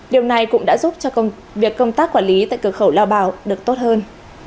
điều này cũng đã giúp cho việc công tác quản lý tại cửa khẩu la bảo được tốt hơn